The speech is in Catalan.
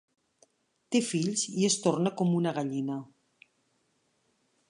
Té fills i es torna com una gallina.